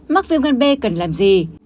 mắc viêm gan b cần làm gì